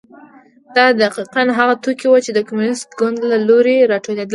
دا دقیقا هغه توکي وو چې د کمونېست ګوند له لوري راټولېدل.